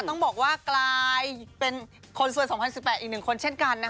ต้องบอกว่ากลายเป็นคนส่วน๒๐๑๘อีกหนึ่งคนเช่นกัน